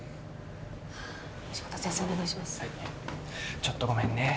ちょっとごめんね。